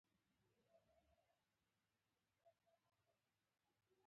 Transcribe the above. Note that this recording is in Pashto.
په توره کښې نر په توره باندې ږغېږي.